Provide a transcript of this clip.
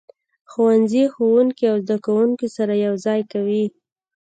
ښوونځی ښوونکي او زده کوونکي سره یو ځای کوي.